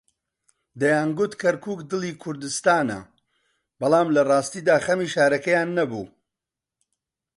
دەیانگوت کەرکووک دڵی کوردستانە، بەڵام لەڕاستیدا خەمی شارەکەیان نەبوو.